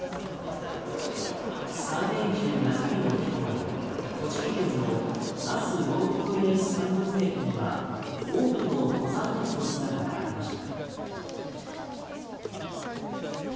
３連休中日の昨日栃木県の那須ロープウェイ山麓駅には多くの登山客の姿がありました。